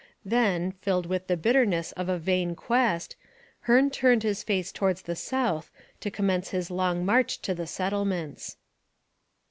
Then, filled with the bitterness of a vain quest, Hearne turned his face towards the south to commence his long march to the settlements.